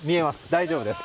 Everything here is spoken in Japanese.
大丈夫です。